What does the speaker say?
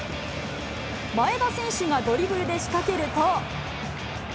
前田選手がドリブルで仕掛けると。